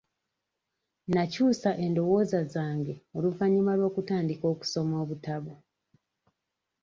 Nakyusa endowooza zange oluvannyuma lw'okutandika okusoma obutabo.